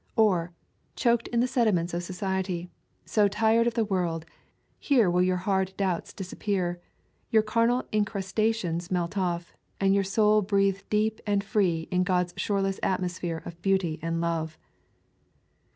Or, choked in the sediments of society, so tired of the world, here will your hard doubts disappear, your carnal incrustations melt off, and your — soul breathe deep and free in God's shoreless atmosphere of beauty and love.